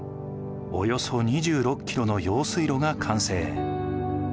およそ２６キロの用水路が完成。